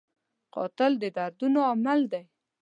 قاتل د دردونو عامل دی